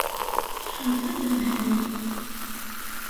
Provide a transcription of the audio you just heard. Ḍḍfemt-d Mhenni.